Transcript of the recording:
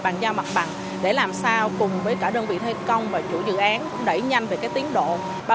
bằng dao mặt bằng để làm sao cùng với cả đơn vị thi công và chủ dự án đẩy nhanh về cái tiến độ bà